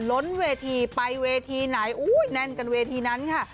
ล้นเวทีไปเวทีไหนอุ้ยแน่นกันเวทีนั้นค่ะ